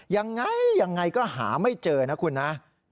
ยังไงก็หาไม่เจอนะคุณนะ